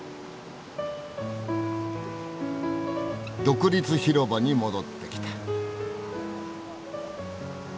独立広場に戻ってきた。